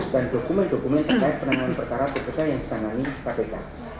dan dokumen dokumen terkait penanganan perkara tersebut yang ditangani kpk